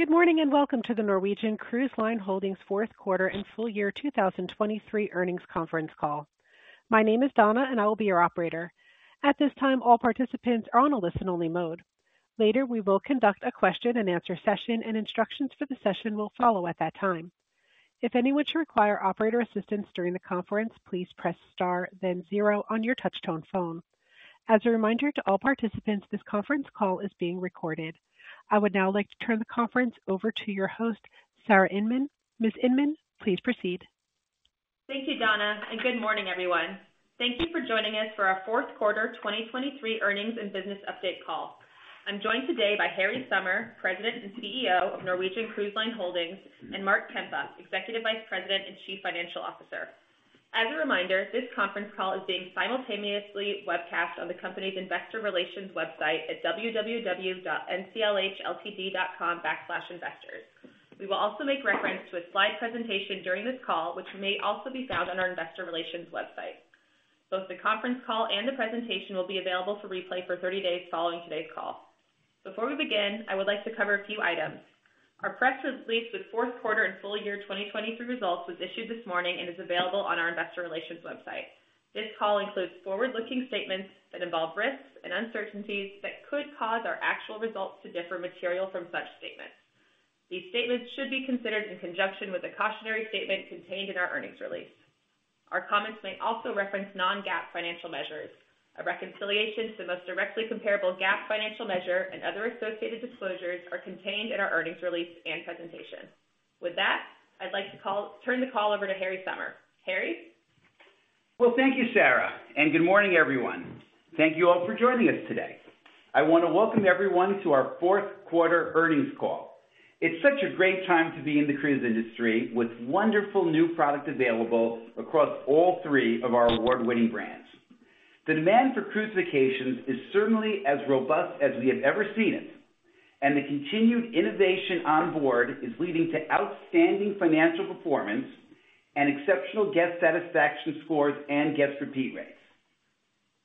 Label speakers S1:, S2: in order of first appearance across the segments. S1: Good morning and welcome to the Norwegian Cruise Line Holdings fourth quarter and full year 2023 earnings conference call. My name is Donna and I will be your operator. At this time, all participants are on a listen-only mode. Later, we will conduct a question-and-answer session and instructions for the session will follow at that time. If any would require operator assistance during the conference, please press star, then 0 on your touch-tone phone. As a reminder to all participants, this conference call is being recorded. I would now like to turn the conference over to your host, Sarah Inmon. Ms. Inmon, please proceed.
S2: Thank you, Donna, and good morning, everyone. Thank you for joining us for our fourth quarter 2023 earnings and business update call. I'm joined today by Harry Sommer, President and CEO of Norwegian Cruise Line Holdings, and Mark Kempa, Executive Vice President and Chief Financial Officer. As a reminder, this conference call is being simultaneously webcast on the company's investor relations website at www.nclhltd.com/investors. We will also make reference to a slide presentation during this call, which may also be found on our investor relations website. Both the conference call and the presentation will be available for replay for 30 days following today's call. Before we begin, I would like to cover a few items. Our press release with fourth quarter and full year 2023 results was issued this morning and is available on our investor relations website. This call includes forward-looking statements that involve risks and uncertainties that could cause our actual results to differ materially from such statements. These statements should be considered in conjunction with the cautionary statement contained in our earnings release. Our comments may also reference non-GAAP financial measures. A reconciliation to the most directly comparable GAAP financial measure and other associated disclosures are contained in our earnings release and presentation. With that, I'd like to turn the call over to Harry Sommer. Harry?
S3: Well, thank you, Sarah, and good morning, everyone. Thank you all for joining us today. I want to welcome everyone to our fourth quarter earnings call. It's such a great time to be in the cruise industry with wonderful new products available across all three of our award-winning brands. The demand for cruise vacations is certainly as robust as we have ever seen it, and the continued innovation on board is leading to outstanding financial performance and exceptional guest satisfaction scores and guest repeat rates.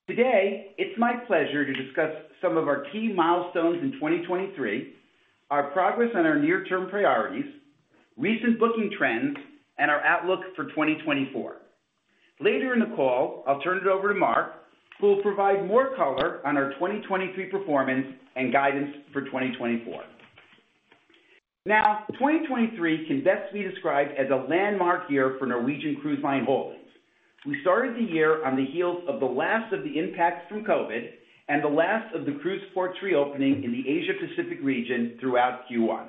S3: Today, it's my pleasure to discuss some of our key milestones in 2023, our progress on our near-term priorities, recent booking trends, and our outlook for 2024. Later in the call, I'll turn it over to Mark, who will provide more color on our 2023 performance and guidance for 2024. Now, 2023 can best be described as a landmark year for Norwegian Cruise Line Holdings. We started the year on the heels of the last of the impacts from COVID and the last of the cruise ports reopening in the Asia-Pacific region throughout Q1.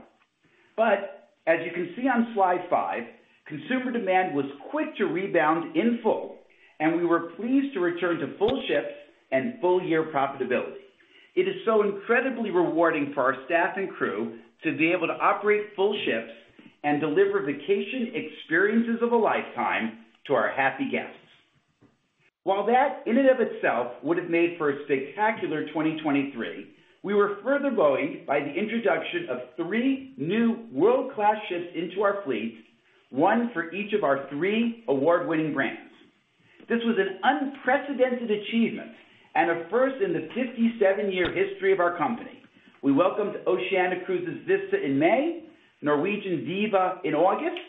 S3: But as you can see on slide 5, consumer demand was quick to rebound in full, and we were pleased to return to full ships and full-year profitability. It is so incredibly rewarding for our staff and crew to be able to operate full ships and deliver vacation experiences of a lifetime to our happy guests. While that in and of itself would have made for a spectacular 2023, we were further buoyed by the introduction of 3 new world-class ships into our fleet, one for each of our 3 award-winning brands. This was an unprecedented achievement and a first in the 57-year history of our company. We welcomed Oceania Vista in May, Norwegian Viva in August,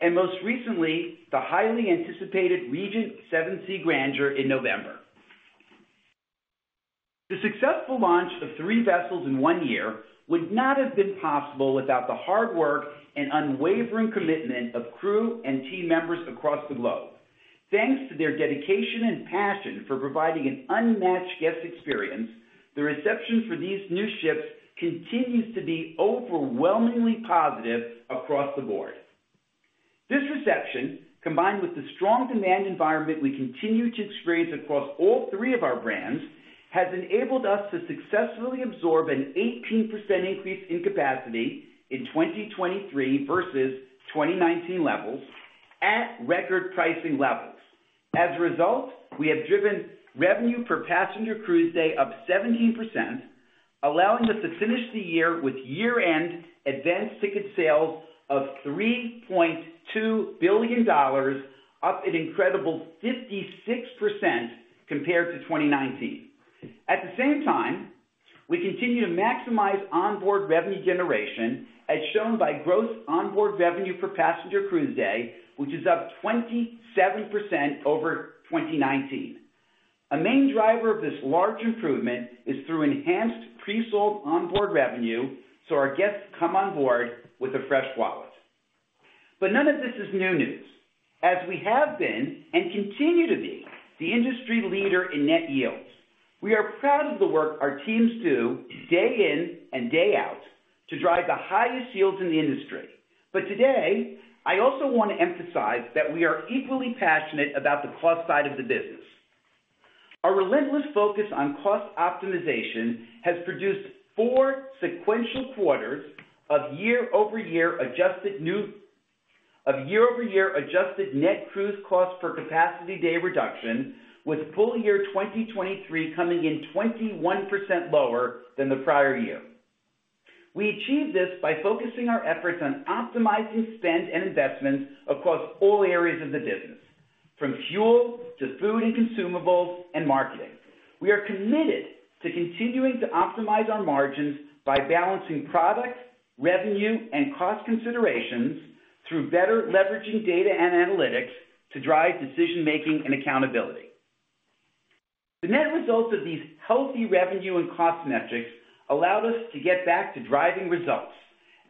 S3: and most recently, the highly anticipated Regent Seven Seas Grandeur in November. The successful launch of three vessels in one year would not have been possible without the hard work and unwavering commitment of crew and team members across the globe. Thanks to their dedication and passion for providing an unmatched guest experience, the reception for these new ships continues to be overwhelmingly positive across the board. This reception, combined with the strong demand environment we continue to experience across all three of our brands, has enabled us to successfully absorb an 18% increase in capacity in 2023 versus 2019 levels at record pricing levels. As a result, we have driven revenue per passenger cruise day up 17%, allowing us to finish the year with year-end advanced ticket sales of $3.2 billion, up an incredible 56% compared to 2019. At the same time, we continue to maximize onboard revenue generation, as shown by gross onboard revenue per passenger cruise day, which is up 27% over 2019. A main driver of this large improvement is through enhanced pre-sold onboard revenue so our guests come on board with a fresh wallet. But none of this is new news, as we have been and continue to be the industry leader in net yields. We are proud of the work our teams do day in and day out to drive the highest yields in the industry. But today, I also want to emphasize that we are equally passionate about the cost side of the business. Our relentless focus on cost optimization has produced four sequential quarters of year-over-year adjusted net cruise cost per capacity day reduction, with full year 2023 coming in 21% lower than the prior year. We achieved this by focusing our efforts on optimizing spend and investments across all areas of the business, from fuel to food and consumables and marketing. We are committed to continuing to optimize our margins by balancing product, revenue, and cost considerations through better leveraging data and analytics to drive decision-making and accountability. The net results of these healthy revenue and cost metrics allowed us to get back to driving results,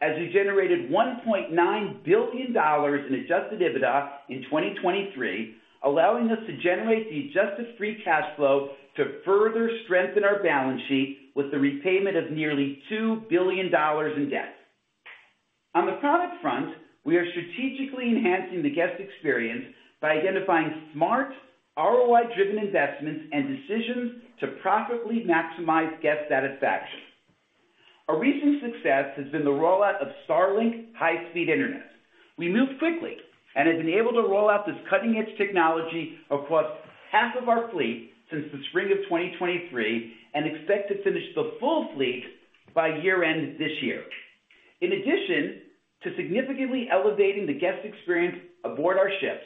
S3: as we generated $1.9 billion in Adjusted EBITDA in 2023, allowing us to generate the Adjusted Free Cash Flow to further strengthen our balance sheet with the repayment of nearly $2 billion in debt. On the product front, we are strategically enhancing the guest experience by identifying smart, ROI-driven investments and decisions to profitably maximize guest satisfaction. A recent success has been the rollout of Starlink high-speed internet. We moved quickly and have been able to roll out this cutting-edge technology across half of our fleet since the spring of 2023 and expect to finish the full fleet by year-end this year. In addition to significantly elevating the guest experience aboard our ships,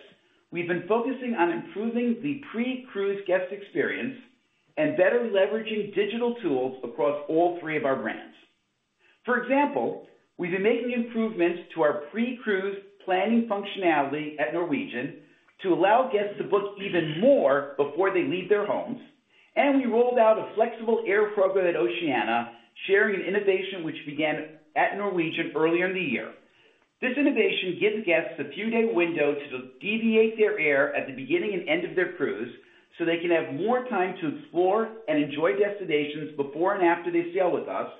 S3: we've been focusing on improving the pre-cruise guest experience and better leveraging digital tools across all three of our brands. For example, we've been making improvements to our pre-cruise planning functionality at Norwegian to allow guests to book even more before they leave their homes, and we rolled out a flexible air program at Oceania sharing an innovation which began at Norwegian earlier in the year. This innovation gives guests a few-day window to deviate their air at the beginning and end of their cruise so they can have more time to explore and enjoy destinations before and after they sail with us,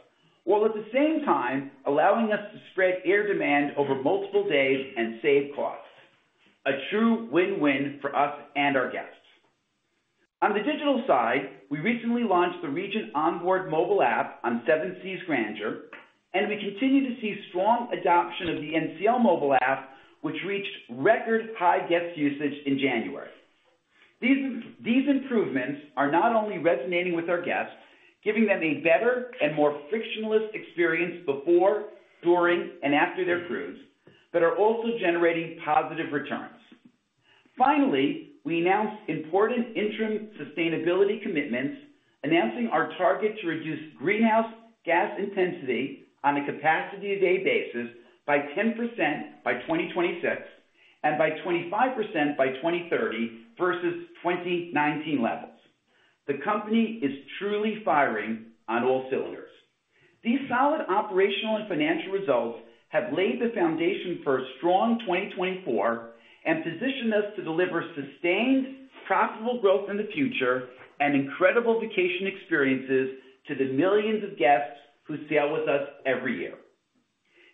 S3: while at the same time allowing us to spread air demand over multiple days and save costs. A true win-win for us and our guests. On the digital side, we recently launched the Regent onboard mobile app on Seven Seas Grandeur, and we continue to see strong adoption of the NCL mobile app, which reached record high guest usage in January. These improvements are not only resonating with our guests, giving them a better and more frictionless experience before, during, and after their cruise, but are also generating positive returns. Finally, we announced important interim sustainability commitments, announcing our target to reduce greenhouse gas intensity on a capacity day basis by 10% by 2026 and by 25% by 2030 versus 2019 levels. The company is truly firing on all cylinders. These solid operational and financial results have laid the foundation for a strong 2024 and positioned us to deliver sustained, profitable growth in the future and incredible vacation experiences to the millions of guests who sail with us every year.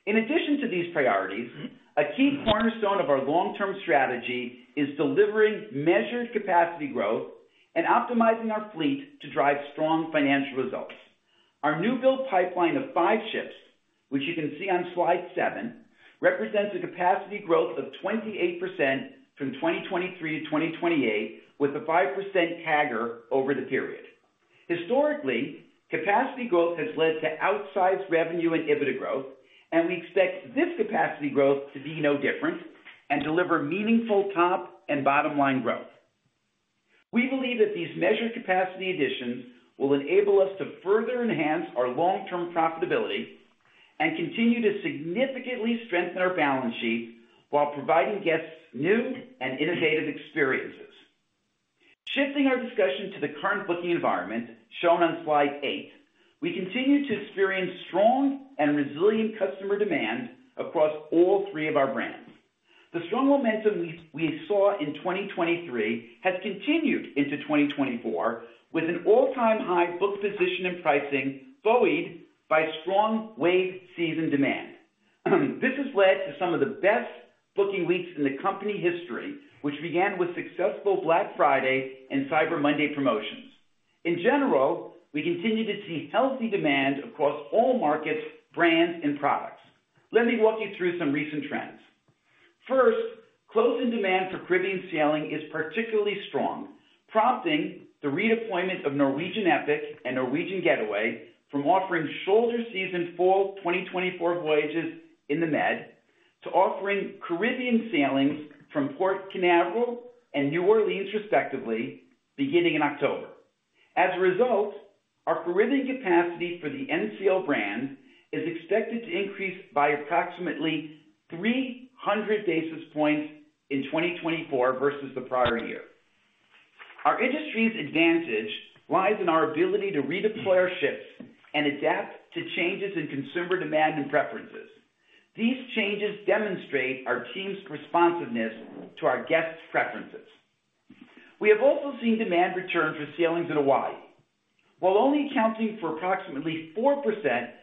S3: In addition to these priorities, a key cornerstone of our long-term strategy is delivering measured capacity growth and optimizing our fleet to drive strong financial results. Our new-built pipeline of five ships, which you can see on slide 7, represents a capacity growth of 28% from 2023 to 2028, with a 5% CAGR over the period. Historically, capacity growth has led to outsized revenue and EBITDA growth, and we expect this capacity growth to be no different and deliver meaningful top and bottom-line growth. We believe that these measured capacity additions will enable us to further enhance our long-term profitability and continue to significantly strengthen our balance sheet while providing guests new and innovative experiences. Shifting our discussion to the current booking environment shown on slide 8, we continue to experience strong and resilient customer demand across all three of our brands. The strong momentum we saw in 2023 has continued into 2024, with an all-time high book position and pricing buoyed by strong wave season demand. This has led to some of the best booking weeks in the company history, which began with successful Black Friday and Cyber Monday promotions. In general, we continue to see healthy demand across all markets, brands, and products. Let me walk you through some recent trends. First, close-in demand for Caribbean sailing is particularly strong, prompting the redeployment of Norwegian Epic and Norwegian Getaway from offering shoulder-season fall 2024 voyages in the Med to offering Caribbean sailings from Port Canaveral and New Orleans, respectively, beginning in October. As a result, our Caribbean capacity for the NCL brand is expected to increase by approximately 300 basis points in 2024 versus the prior year. Our industry's advantage lies in our ability to redeploy our ships and adapt to changes in consumer demand and preferences. These changes demonstrate our team's responsiveness to our guests' preferences. We have also seen demand return for sailings in Hawaii. While only accounting for approximately 4%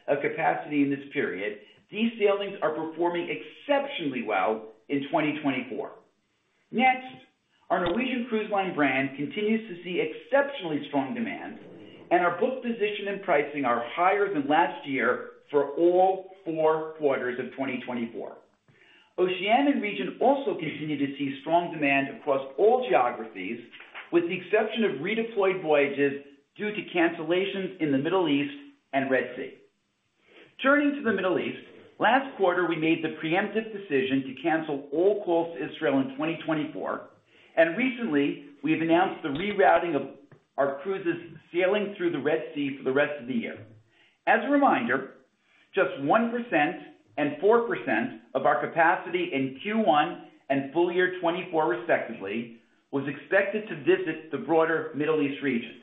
S3: of capacity in this period, these sailings are performing exceptionally well in 2024. Next, our Norwegian Cruise Line brand continues to see exceptionally strong demand, and our book position and pricing are higher than last year for all four quarters of 2024. Oceania and Regent also continue to see strong demand across all geographies, with the exception of redeployed voyages due to cancellations in the Middle East and Red Sea. Turning to the Middle East, last quarter we made the preemptive decision to cancel all calls to Israel in 2024, and recently we have announced the rerouting of our cruises sailing through the Red Sea for the rest of the year. As a reminder, just 1% and 4% of our capacity in Q1 and full year 2024, respectively, was expected to visit the broader Middle East region.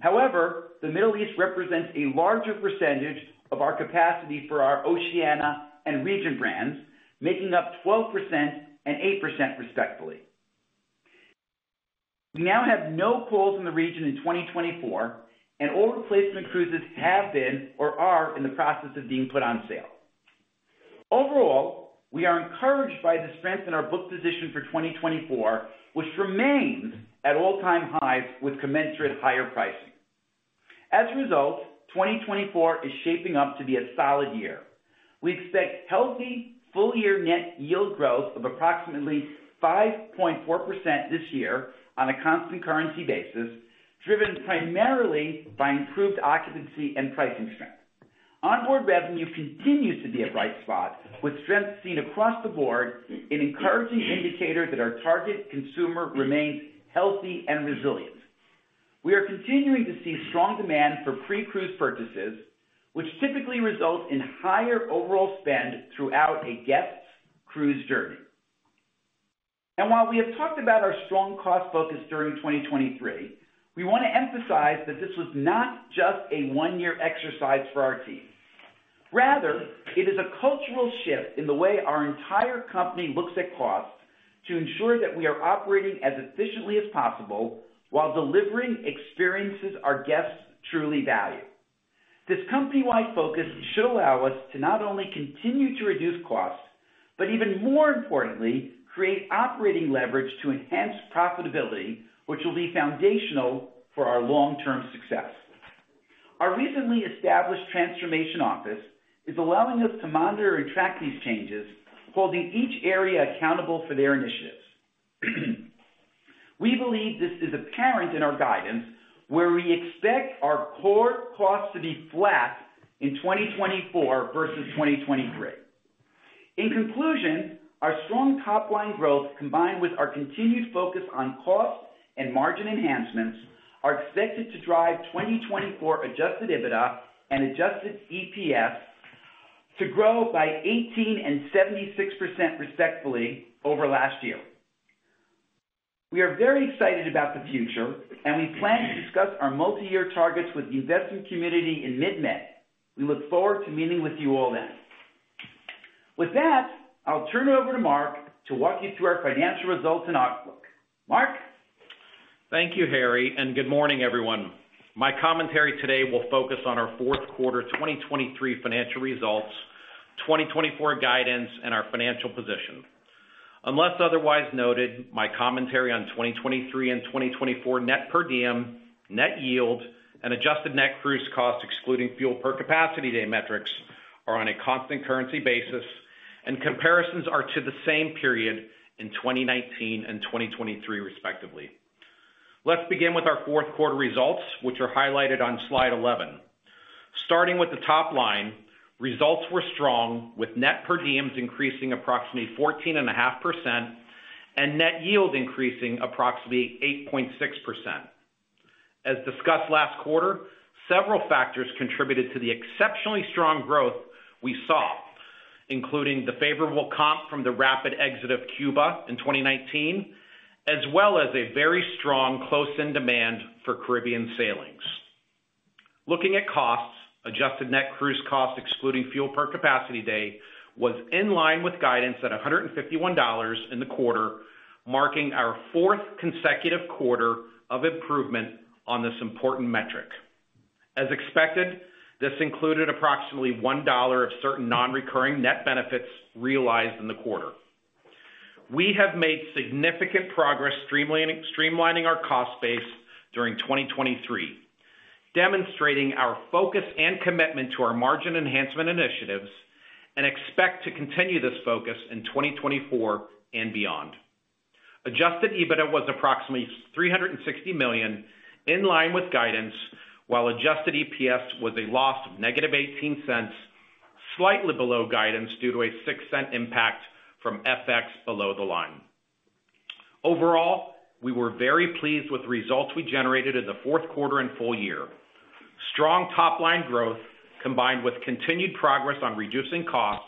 S3: However, the Middle East represents a larger percentage of our capacity for our Oceania and Regent brands, making up 12% and 8%, respectively. We now have no calls in the region in 2024, and all replacement cruises have been or are in the process of being put on sale. Overall, we are encouraged by the strength in our book position for 2024, which remains at all-time highs with commensurate higher pricing. As a result, 2024 is shaping up to be a solid year. We expect healthy, full-year net yield growth of approximately 5.4% this year on a constant currency basis, driven primarily by improved occupancy and pricing strength. Onboard revenue continues to be a bright spot, with strength seen across the board in encouraging indicator that our target consumer remains healthy and resilient. We are continuing to see strong demand for pre-cruise purchases, which typically result in higher overall spend throughout a guest's cruise journey. While we have talked about our strong cost focus during 2023, we want to emphasize that this was not just a one-year exercise for our team. Rather, it is a cultural shift in the way our entire company looks at costs to ensure that we are operating as efficiently as possible while delivering experiences our guests truly value. This company-wide focus should allow us to not only continue to reduce costs, but even more importantly, create operating leverage to enhance profitability, which will be foundational for our long-term success. Our recently established transformation office is allowing us to monitor and track these changes, holding each area accountable for their initiatives. We believe this is apparent in our guidance, where we expect our core costs to be flat in 2024 versus 2023. In conclusion, our strong top-line growth, combined with our continued focus on cost and margin enhancements, are expected to drive 2024 Adjusted EBITDA and Adjusted EPS to grow by 18% and 76%, respectively, over last year. We are very excited about the future, and we plan to discuss our multi-year targets with the investment community in mid-May. We look forward to meeting with you all then. With that, I'll turn it over to Mark to walk you through our financial results and outlook. Mark.
S4: Thank you, Harry, and good morning, everyone. My commentary today will focus on our fourth quarter 2023 financial results, 2024 guidance, and our financial position. Unless otherwise noted, my commentary on 2023 and 2024 net per diem, net yield, and adjusted net cruise cost excluding fuel per capacity day metrics are on a constant currency basis, and comparisons are to the same period in 2019 and 2023, respectively. Let's begin with our fourth quarter results, which are highlighted on slide 11. Starting with the top line, results were strong, with net per diems increasing approximately 14.5% and net yield increasing approximately 8.6%. As discussed last quarter, several factors contributed to the exceptionally strong growth we saw, including the favorable comp from the rapid exit of Cuba in 2019, as well as a very strong close-in demand for Caribbean sailings. Looking at costs, Adjusted Net Cruise Cost excluding Fuel per Capacity Day was in line with guidance at $151 in the quarter, marking our fourth consecutive quarter of improvement on this important metric. As expected, this included approximately $1 of certain non-recurring net benefits realized in the quarter. We have made significant progress streamlining our cost base during 2023, demonstrating our focus and commitment to our margin enhancement initiatives, and expect to continue this focus in 2024 and beyond. Adjusted EBITDA was approximately $360 million, in line with guidance, while Adjusted EPS was a loss of negative $0.18, slightly below guidance due to a $0.06 impact from FX below the line. Overall, we were very pleased with results we generated in the fourth quarter and full year. Strong top-line growth, combined with continued progress on reducing costs,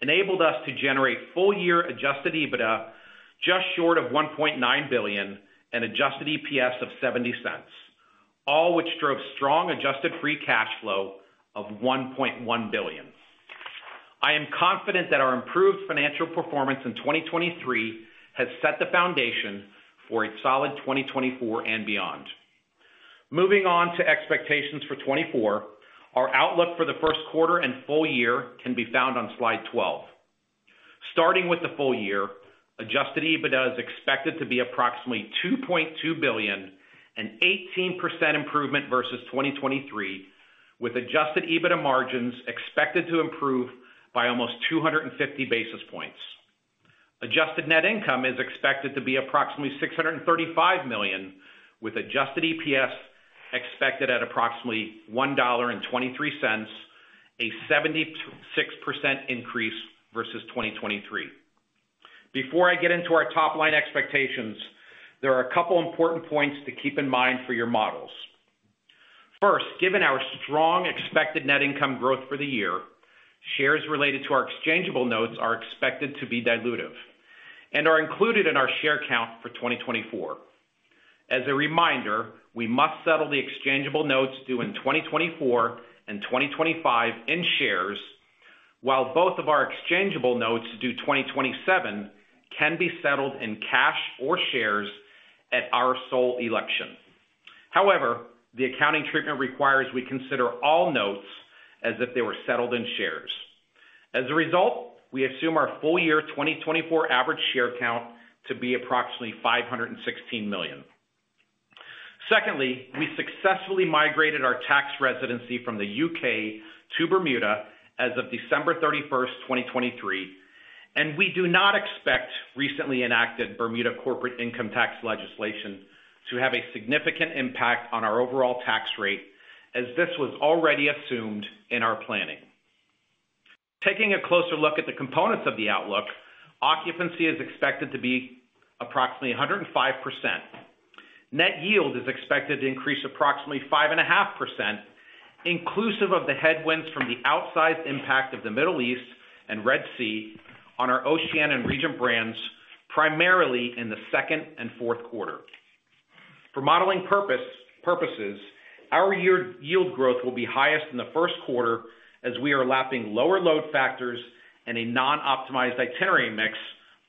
S4: enabled us to generate full-year Adjusted EBITDA just short of $1.9 billion and Adjusted EPS of $0.70, all which drove strong Adjusted Free Cash Flow of $1.1 billion. I am confident that our improved financial performance in 2023 has set the foundation for a solid 2024 and beyond. Moving on to expectations for 2024, our outlook for the first quarter and full year can be found on slide 12. Starting with the full year, Adjusted EBITDA is expected to be approximately $2.2 billion and 18% improvement versus 2023, with Adjusted EBITDA margins expected to improve by almost 250 basis points. Adjusted net income is expected to be approximately $635 million, with Adjusted EPS expected at approximately $1.23, a 76% increase versus 2023. Before I get into our top-line expectations, there are a couple of important points to keep in mind for your models. First, given our strong expected net income growth for the year, shares related to our Exchangeable Notes are expected to be dilutive and are included in our share count for 2024. As a reminder, we must settle the Exchangeable Notes due in 2024 and 2025 in shares, while both of our Exchangeable Notes due 2027 can be settled in cash or shares at our sole election. However, the accounting treatment requires we consider all notes as if they were settled in shares. As a result, we assume our full-year 2024 average share count to be approximately 516 million. Secondly, we successfully migrated our tax residency from the U.K. to Bermuda as of December 31st, 2023, and we do not expect recently enacted Bermuda corporate income tax legislation to have a significant impact on our overall tax rate, as this was already assumed in our planning. Taking a closer look at the components of the outlook, occupancy is expected to be approximately 105%. Net yield is expected to increase approximately 5.5%, inclusive of the headwinds from the outsized impact of the Middle East and Red Sea on our Oceania and Regent brands, primarily in the second and fourth quarter. For modeling purposes, our year yield growth will be highest in the first quarter as we are lapping lower load factors and a non-optimized itinerary mix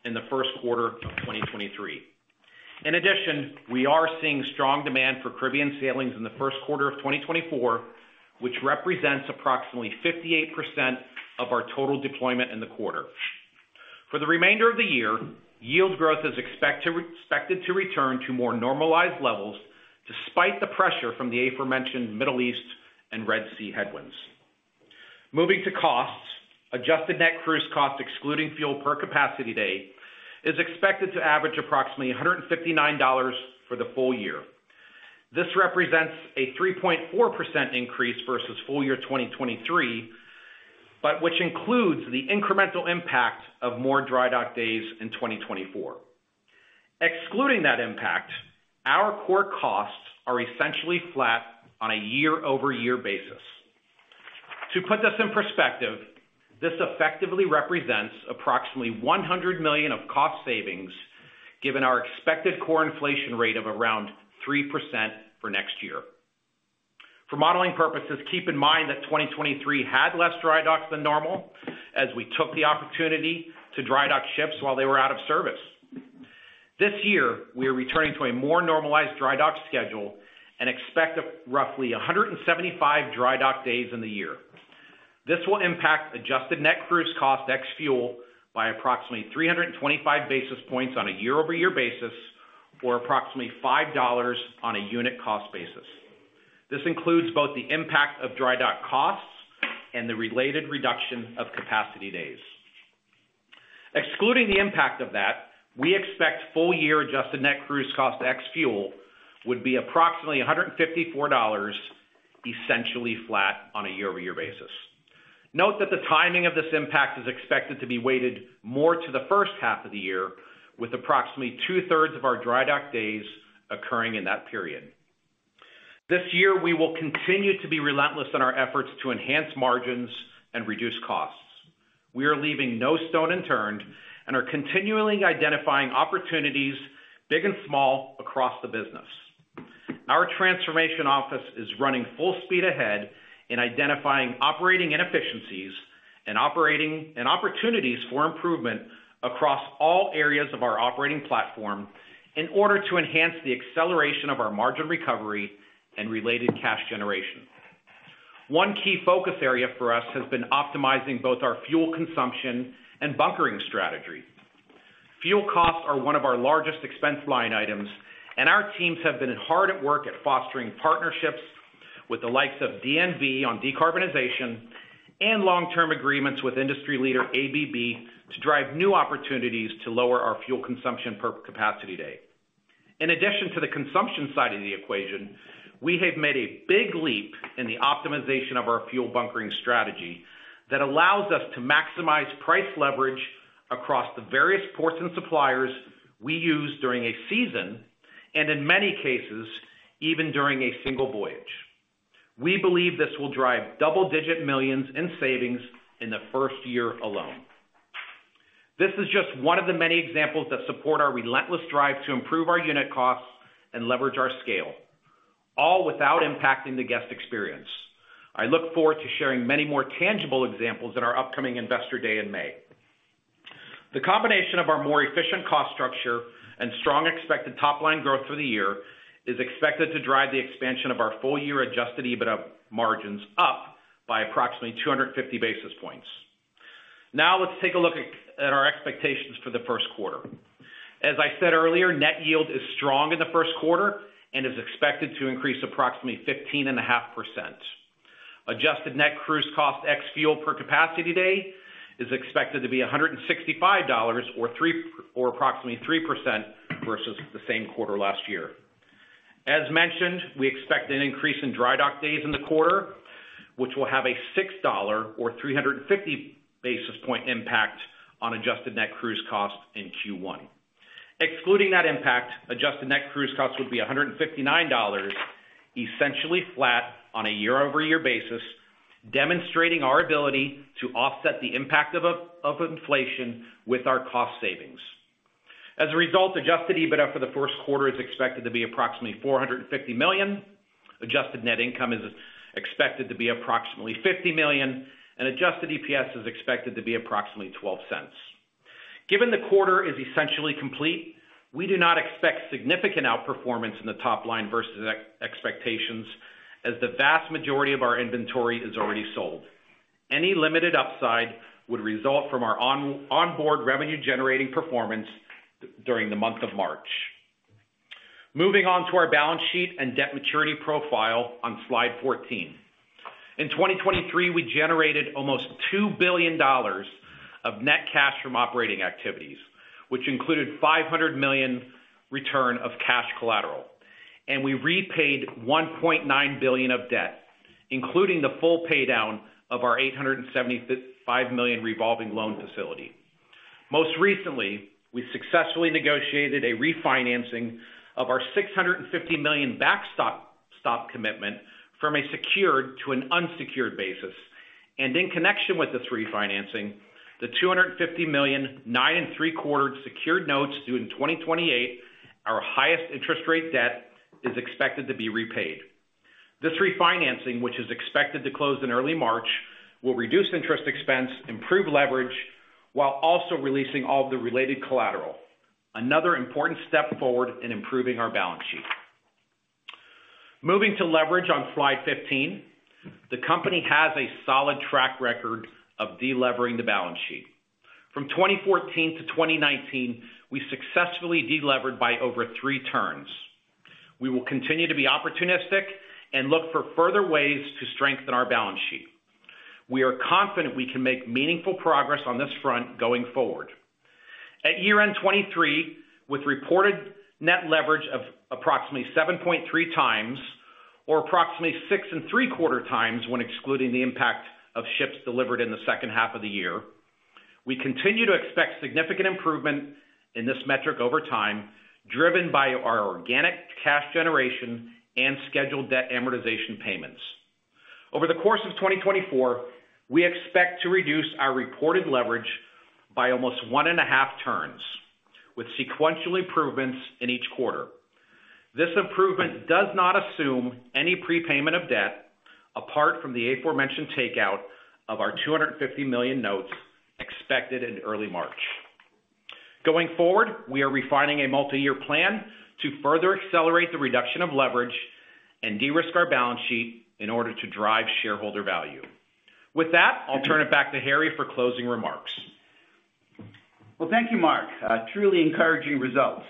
S4: in the first quarter of 2023. In addition, we are seeing strong demand for Caribbean sailings in the first quarter of 2024, which represents approximately 58% of our total deployment in the quarter. For the remainder of the year, yield growth is expected to return to more normalized levels despite the pressure from the aforementioned Middle East and Red Sea headwinds. Moving to costs, Adjusted Net Cruise Cost excluding Fuel per Capacity Day is expected to average approximately $159 for the full year. This represents a 3.4% increase versus full year 2023, but which includes the incremental impact of more Dry Dock days in 2024. Excluding that impact, our core costs are essentially flat on a year-over-year basis. To put this in perspective, this effectively represents approximately $100 million of cost savings given our expected core inflation rate of around 3% for next year. For modeling purposes, keep in mind that 2023 had less dry docks than normal as we took the opportunity to dry dock ships while they were out of service. This year, we are returning to a more normalized dry dock schedule and expect roughly 175 dry dock days in the year. This will impact adjusted net cruise cost ex-fuel by approximately 325 basis points on a year-over-year basis or approximately $5 on a unit cost basis. This includes both the impact of dry dock costs and the related reduction of capacity days. Excluding the impact of that, we expect full-year adjusted net cruise cost ex-fuel would be approximately $154, essentially flat on a year-over-year basis. Note that the timing of this impact is expected to be weighted more to the first half of the year, with approximately two-thirds of our dry dock days occurring in that period. This year, we will continue to be relentless in our efforts to enhance margins and reduce costs. We are leaving no stone unturned and are continually identifying opportunities, big and small, across the business. Our transformation office is running full speed ahead in identifying operating inefficiencies and opportunities for improvement across all areas of our operating platform in order to enhance the acceleration of our margin recovery and related cash generation. One key focus area for us has been optimizing both our fuel consumption and bunkering strategy. Fuel costs are one of our largest expense line items, and our teams have been hard at work at fostering partnerships with the likes of DNV on decarbonization and long-term agreements with industry leader ABB to drive new opportunities to lower our fuel consumption per capacity day. In addition to the consumption side of the equation, we have made a big leap in the optimization of our fuel bunkering strategy that allows us to maximize price leverage across the various ports and suppliers we use during a season and, in many cases, even during a single voyage. We believe this will drive $10-$99 million in savings in the first year alone. This is just one of the many examples that support our relentless drive to improve our unit costs and leverage our scale, all without impacting the guest experience. I look forward to sharing many more tangible examples at our upcoming investor day in May. The combination of our more efficient cost structure and strong expected top-line growth for the year is expected to drive the expansion of our full-year Adjusted EBITDA margins up by approximately 250 basis points. Now, let's take a look at our expectations for the first quarter. As I said earlier, Net Yield is strong in the first quarter and is expected to increase approximately 15.5%. Adjusted Net Cruise Cost ex-fuel per Capacity Day is expected to be $165 or approximately 3% versus the same quarter last year. As mentioned, we expect an increase in Dry Dock days in the quarter, which will have a $6 or 350 basis point impact on Adjusted Net Cruise Cost in Q1. Excluding that impact, Adjusted Net Cruise Cost would be $159, essentially flat on a year-over-year basis, demonstrating our ability to offset the impact of inflation with our cost savings. As a result, Adjusted EBITDA for the first quarter is expected to be approximately $450 million. Adjusted Net Income is expected to be approximately $50 million, and Adjusted EPS is expected to be approximately $0.12. Given the quarter is essentially complete, we do not expect significant outperformance in the top-line versus expectations, as the vast majority of our inventory is already sold. Any limited upside would result from our onboard revenue-generating performance during the month of March. Moving on to our balance sheet and debt maturity profile on slide 14. In 2023, we generated almost $2 billion of net cash from operating activities, which included $500 million return of cash collateral, and we repaid $1.9 billion of debt, including the full paydown of our $875 million revolving loan facility. Most recently, we successfully negotiated a refinancing of our $650 million backstop commitment from a secured to an unsecured basis. In connection with this refinancing, the $250 million 9.75% secured notes due in 2028, our highest interest-rate debt, is expected to be repaid. This refinancing, which is expected to close in early March, will reduce interest expense, improve leverage, while also releasing all of the related collateral, another important step forward in improving our balance sheet. Moving to leverage on slide 15, the company has a solid track record of delevering the balance sheet. From 2014 to 2019, we successfully delevered by over three turns. We will continue to be opportunistic and look for further ways to strengthen our balance sheet. We are confident we can make meaningful progress on this front going forward. At year-end 2023, with reported net leverage of approximately 7.3 times or approximately 6.75 times when excluding the impact of ships delivered in the second half of the year, we continue to expect significant improvement in this metric over time, driven by our organic cash generation and scheduled debt amortization payments. Over the course of 2024, we expect to reduce our reported leverage by almost 1.5 turns, with sequential improvements in each quarter. This improvement does not assume any prepayment of debt apart from the aforementioned takeout of our $250 million notes expected in early March. Going forward, we are refining a multi-year plan to further accelerate the reduction of leverage and de-risk our balance sheet in order to drive shareholder value. With that, I'll turn it back to Harry for closing remarks.
S3: Well, thank you, Mark. Truly encouraging results.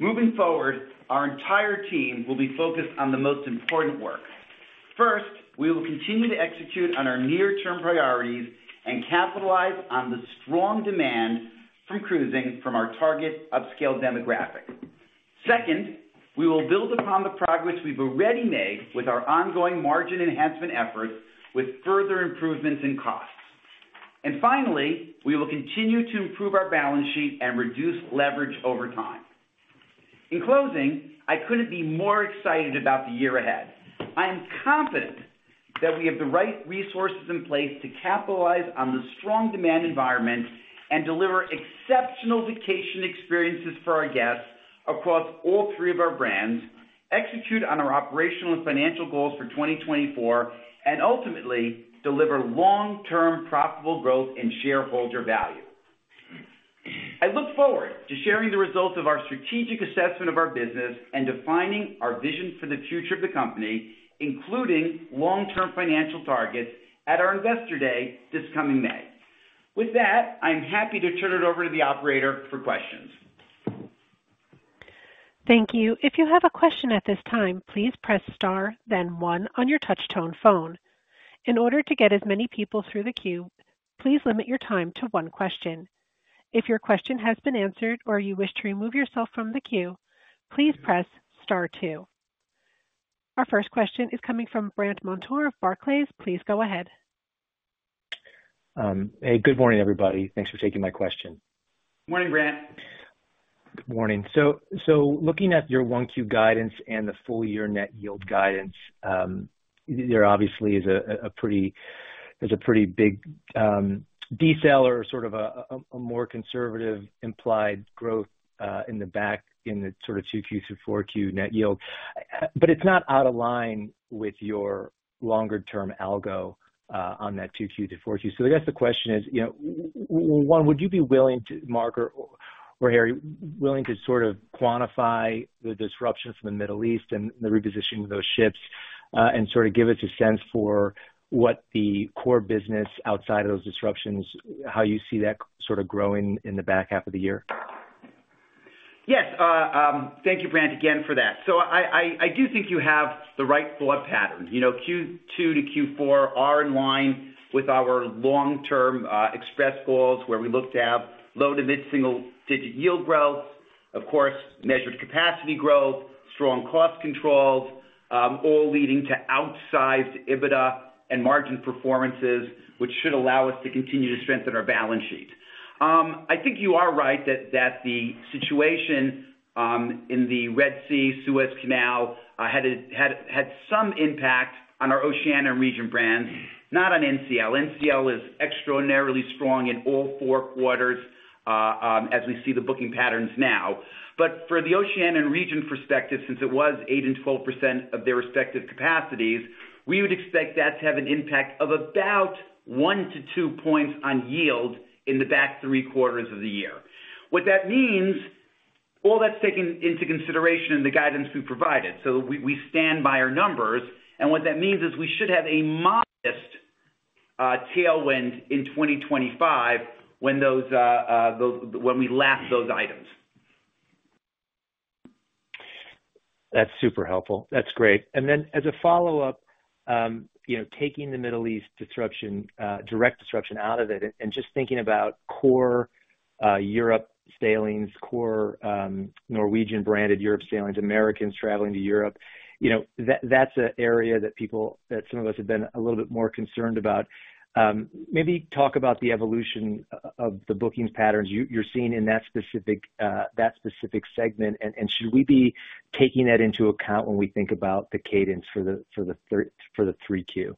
S3: Moving forward, our entire team will be focused on the most important work. First, we will continue to execute on our near-term priorities and capitalize on the strong demand from cruising from our target upscale demographic. Second, we will build upon the progress we've already made with our ongoing margin enhancement efforts with further improvements in costs. And finally, we will continue to improve our balance sheet and reduce leverage over time. In closing, I couldn't be more excited about the year ahead. I am confident that we have the right resources in place to capitalize on the strong demand environment and deliver exceptional vacation experiences for our guests across all three of our brands, execute on our operational and financial goals for 2024, and ultimately deliver long-term profitable growth in shareholder value. I look forward to sharing the results of our strategic assessment of our business and defining our vision for the future of the company, including long-term financial targets, at our investor day this coming May. With that, I'm happy to turn it over to the operator for questions.
S1: Thank you. If you have a question at this time, please press star, then one, on your touch-tone phone. In order to get as many people through the queue, please limit your time to one question. If your question has been answered or you wish to remove yourself from the queue, please press star two. Our first question is coming from Brandt Montour of Barclays. Please go ahead.
S5: Hey, good morning, everybody. Thanks for taking my question.
S4: Morning, Brant.
S5: Good morning. So looking at your Q1 guidance and the full-year net yield guidance, there obviously is a pretty big delta or sort of a more conservative implied growth in the back half in the sort of Q2 through Q4 net yield. But it's not out of line with your longer-term algo on that Q2 through Q4. So I guess the question is, 1, would you be willing to, Mark or Harry, willing to sort of quantify the disruption from the Middle East and the repositioning of those ships and sort of give us a sense for what the core business outside of those disruptions, how you see that sort of growing in the back half of the year?
S4: Yes. Thank you, Brandt, again for that. So I do think you have the right booking pattern. Q2 to Q4 are in line with our long-term EPS goals where we look to have low to mid-single-digit yield growth, of course, measured capacity growth, strong cost controls, all leading to outsized EBITDA and margin performances, which should allow us to continue to strengthen our balance sheet. I think you are right that the situation in the Red Sea, Suez Canal had some impact on our Oceania and Regent brands, not on NCL. NCL is extraordinarily strong in all 4 quarters as we see the booking patterns now. But for the Oceania and Regent perspective, since it was 8% and 12% of their respective capacities, we would expect that to have an impact of about 1-2 points on yield in the back 3 quarters of the year. What that means, all that's taken into consideration in the guidance we provided. So we stand by our numbers. And what that means is we should have a modest tailwind in 2025 when we lap those items.
S5: That's super helpful. That's great. Then, as a follow-up, taking the Middle East direct disruption out of it and just thinking about core Europe sailings, core Norwegian-branded Europe sailings, Americans traveling to Europe, that's an area that some of us have been a little bit more concerned about. Maybe talk about the evolution of the bookings patterns you're seeing in that specific segment. And should we be taking that into account when we think about the cadence for Q3?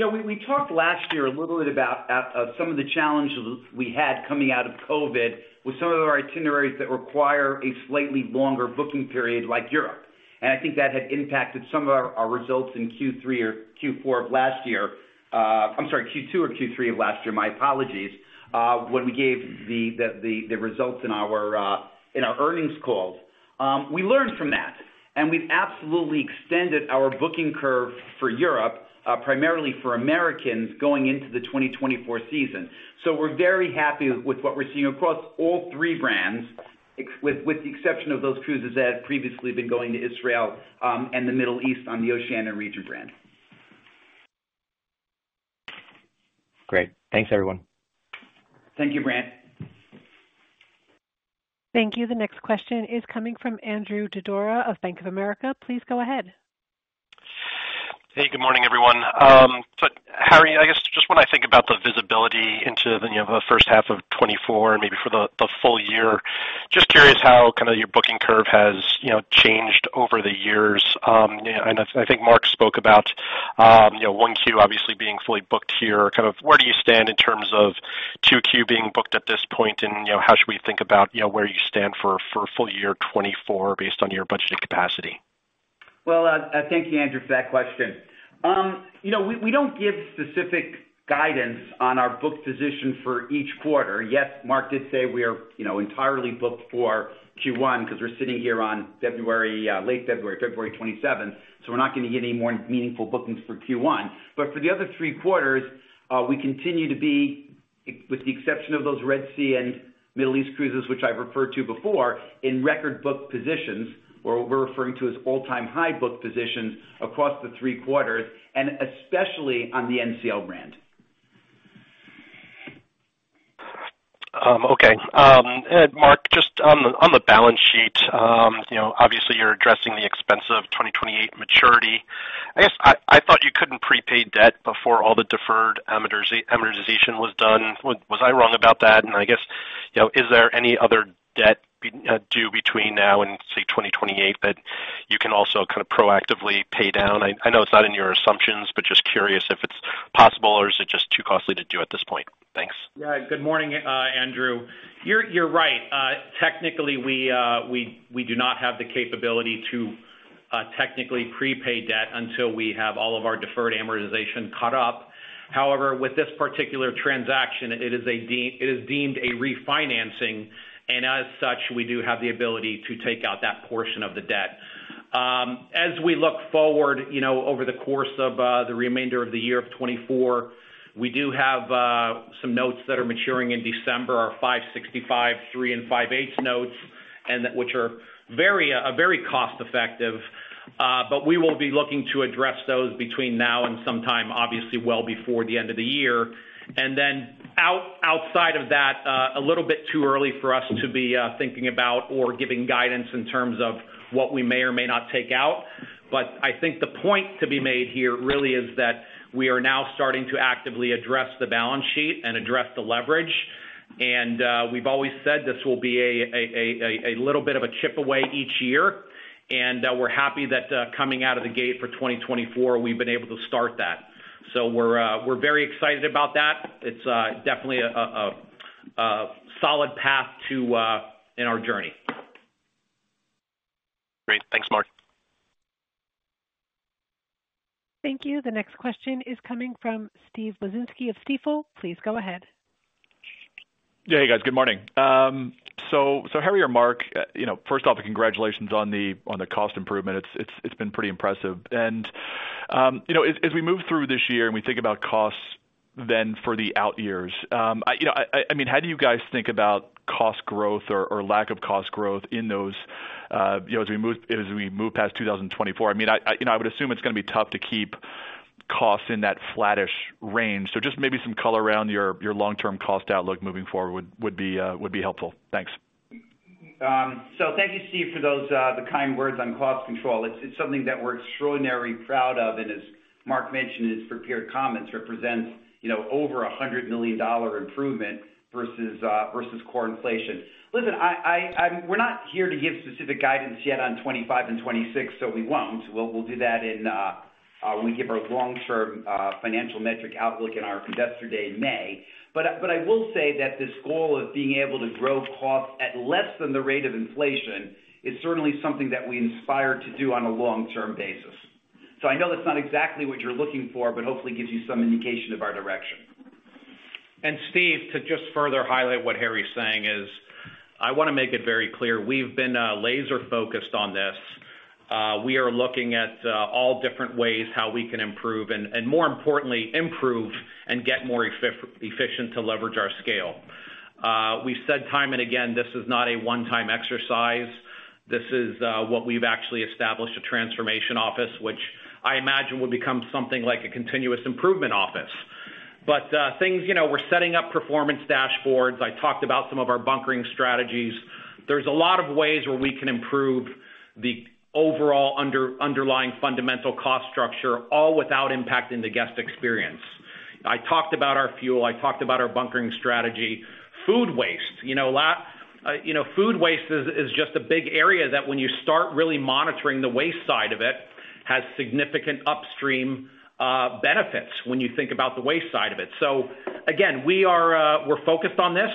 S4: We talked last year a little bit about some of the challenges we had coming out of COVID with some of our itineraries that require a slightly longer booking period like Europe. I think that had impacted some of our results in Q3 or Q4 of last year, I'm sorry, Q2 or Q3 of last year, my apologies, when we gave the results in our earnings calls. We learned from that. We've absolutely extended our booking curve for Europe, primarily for Americans, going into the 2024 season. We're very happy with what we're seeing across all three brands, with the exception of those cruises that have previously been going to Israel and the Middle East on the Oceania and Regent brand.
S5: Great. Thanks, everyone.
S4: Thank you, Brandt.
S1: Thank you. The next question is coming from Andrew Didora of Bank of America. Please go ahead.
S6: Hey, good morning, everyone. So Harry, I guess just when I think about the visibility into the first half of 2024 and maybe for the full year, just curious how kind of your booking curve has changed over the years. And I think Mark spoke about Q1 obviously being fully booked here. Kind of where do you stand in terms of Q2 being booked at this point, and how should we think about where you stand for full year 2024 based on your budgeted capacity?
S4: Well, thank you, Andrew, for that question. We don't give specific guidance on our booked position for each quarter. Yes, Mark did say we are entirely booked for Q1 because we're sitting here on late February, February 27th. So we're not going to get any more meaningful bookings for Q1. But for the other three quarters, we continue to be, with the exception of those Red Sea and Middle East cruises, which I've referred to before, in record booked positions, or what we're referring to as all-time high booked positions, across the three quarters, and especially on the NCL brand.
S6: Okay. And Mark, just on the balance sheet, obviously, you're addressing the expense of 2028 maturity. I guess I thought you couldn't prepay debt before all the deferred amortization was done. Was I wrong about that? And I guess, is there any other debt due between now and, say, 2028 that you can also kind of proactively pay down? I know it's not in your assumptions, but just curious if it's possible, or is it just too costly to do at this point? Thanks.
S4: Yeah. Good morning, Andrew. You're right. Technically, we do not have the capability to technically prepay debt until we have all of our deferred amortization caught up. However, with this particular transaction, it is deemed a refinancing. And as such, we do have the ability to take out that portion of the debt. As we look forward over the course of the remainder of 2024, we do have some notes that are maturing in December, our 5.65, 3, and 5.8 notes, which are very cost-effective. But we will be looking to address those between now and sometime, obviously, well before the end of the year. And then outside of that, a little bit too early for us to be thinking about or giving guidance in terms of what we may or may not take out. But I think the point to be made here really is that we are now starting to actively address the balance sheet and address the leverage. We've always said this will be a little bit of a chip away each year. We're happy that coming out of the gate for 2024, we've been able to start that. So we're very excited about that. It's definitely a solid path in our journey.
S6: Great. Thanks, Mark.
S1: Thank you. The next question is coming from Steve Wieczynski of Stifel. Please go ahead.
S7: Yeah. Hey, guys. Good morning. So, Harry or Mark, first off, congratulations on the cost improvement. It's been pretty impressive. And as we move through this year and we think about costs then for the out years, I mean, how do you guys think about cost growth or lack of cost growth as we move past 2024? I mean, I would assume it's going to be tough to keep costs in that flattish range. So just maybe some color around your long-term cost outlook moving forward would be helpful. Thanks.
S4: So thank you, Steve, for the kind words on cost control. It's something that we're extraordinarily proud of. As Mark mentioned in his prepared comments, represents over a $100 million improvement versus core inflation. Listen, we're not here to give specific guidance yet on 2025 and 2026, so we won't. We'll do that when we give our long-term financial metric outlook in our investor day in May. But I will say that this goal of being able to grow costs at less than the rate of inflation is certainly something that we aspire to do on a long-term basis. So I know that's not exactly what you're looking for, but hopefully gives you some indication of our direction.
S3: And Steve, to just further highlight what Harry's saying is, I want to make it very clear. We've been laser-focused on this. We are looking at all different ways how we can improve and, more importantly, improve and get more efficient to leverage our scale. We've said time and again, this is not a one-time exercise. This is what we've actually established, a transformation office, which I imagine would become something like a continuous improvement office. But we're setting up performance dashboards. I talked about some of our bunkering strategies. There's a lot of ways where we can improve the overall underlying fundamental cost structure, all without impacting the guest experience. I talked about our fuel. I talked about our bunkering strategy. Food waste. Food waste is just a big area that when you start really monitoring the waste side of it, has significant upstream benefits when you think about the waste side of it. So again, we're focused on this.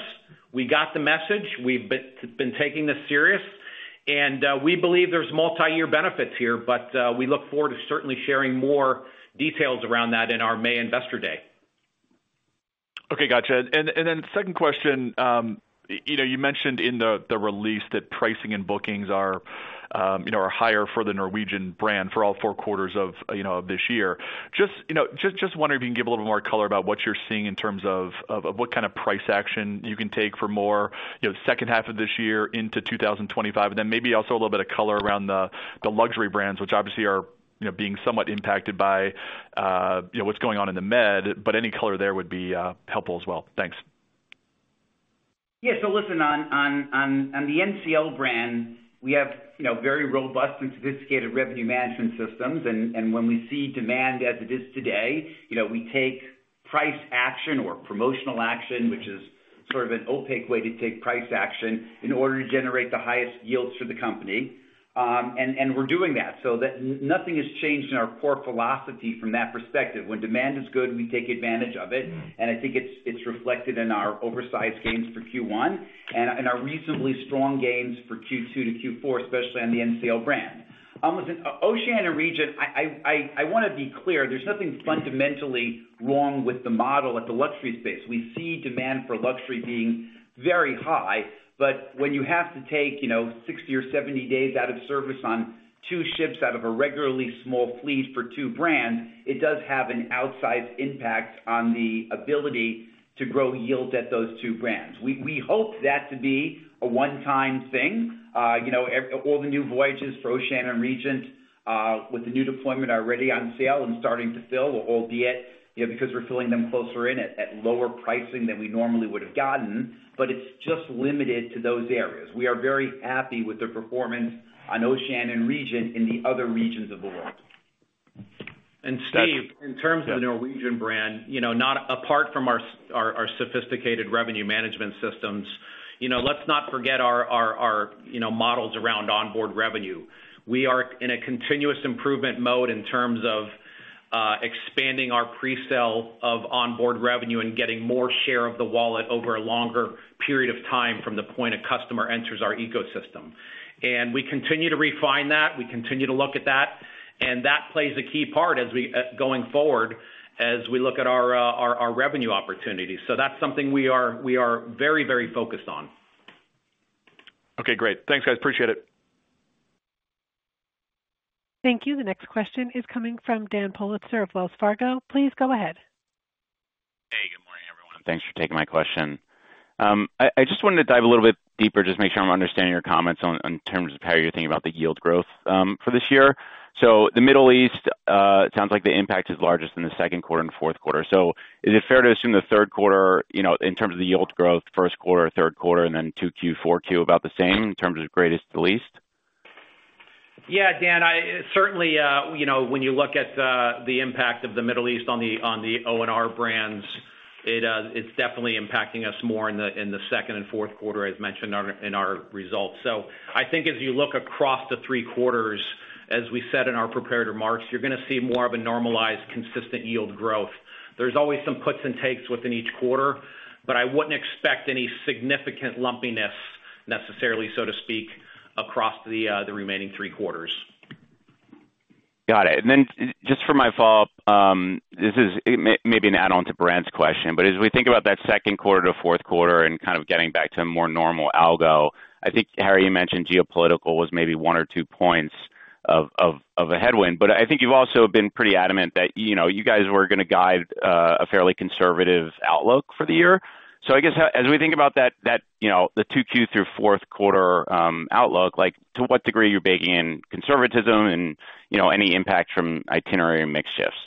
S3: We got the message. We've been taking this serious. And we believe there's multi-year benefits here. But we look forward to certainly sharing more details around that in our May investor day. Okay. Gotcha. And then second question, you mentioned in the release that pricing and bookings are higher for the Norwegian brand for all four quarters of this year. Just wondering if you can give a little bit more color about what you're seeing in terms of what kind of price action you can take for more second half of this year into 2025.
S7: And then maybe also a little bit of color around the luxury brands, which obviously are being somewhat impacted by what's going on in the Med. But any color there would be helpful as well. Thanks.
S4: Yeah. So listen, on the NCL brand, we have very robust and sophisticated revenue management systems. When we see demand as it is today, we take price action or promotional action, which is sort of an opaque way to take price action, in order to generate the highest yields for the company. We're doing that so that nothing has changed in our core philosophy from that perspective. When demand is good, we take advantage of it. I think it's reflected in our oversized gains for Q1 and our reasonably strong gains for Q2 to Q4, especially on the NCL brand. Oceania region, I want to be clear. There's nothing fundamentally wrong with the model at the luxury space. We see demand for luxury being very high. But when you have to take 60 or 70 days out of service on two ships out of a regularly small fleet for two brands, it does have an outsized impact on the ability to grow yield at those two brands. We hope that to be a one-time thing. All the new voyages for Oceania region with the new deployment are already on sale and starting to fill, albeit because we're filling them closer in at lower pricing than we normally would have gotten. But it's just limited to those areas. We are very happy with the performance on Oceania region in the other regions of the world.
S3: Steve, in terms of the Norwegian brand, apart from our sophisticated revenue management systems, let's not forget our models around onboard revenue. We are in a continuous improvement mode in terms of expanding our presale of onboard revenue and getting more share of the wallet over a longer period of time from the point a customer enters our ecosystem. We continue to refine that. We continue to look at that. That plays a key part going forward as we look at our revenue opportunities. That's something we are very, very focused on.
S7: Okay. Great. Thanks, guys. Appreciate it.
S1: Thank you. The next question is coming from Dan Politzer of Wells Fargo. Please go ahead.
S8: Hey. Good morning, everyone. Thanks for taking my question. I just wanted to dive a little bit deeper, just make sure I'm understanding your comments in terms of how you're thinking about the yield growth for this year. So the Middle East, it sounds like the impact is largest in the second quarter and fourth quarter. So is it fair to assume the third quarter in terms of the yield growth, first quarter, third quarter, and then Q2, Q4, Q about the same in terms of greatest to least?
S4: Yeah, Dan. Certainly, when you look at the impact of the Middle East on the O&R brands, it's definitely impacting us more in the second and fourth quarter, as mentioned in our results. So I think as you look across the three quarters, as we said in our prepared remarks, you're going to see more of a normalized, consistent yield growth. There's always some puts and takes within each quarter. But I wouldn't expect any significant lumpiness necessarily, so to speak, across the remaining three quarters.
S8: Got it. And then just for my follow-up, this is maybe an add-on to Brand's question. But as we think about that second quarter to fourth quarter and kind of getting back to a more normal algo, I think, Harry, you mentioned geopolitical was maybe one or two points of a headwind. But I think you've also been pretty adamant that you guys were going to guide a fairly conservative outlook for the year. So I guess as we think about the Q2 through fourth quarter outlook, to what degree are you baking in conservatism and any impact from itinerary mix shifts?